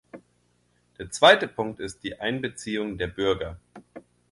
Der zweite Punkt ist die Einbeziehung der Bürger.